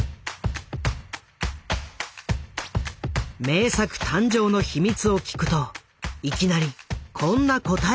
名作誕生の秘密を聞くといきなりこんな答えが返ってきた。